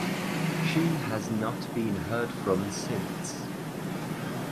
She has not been heard from since.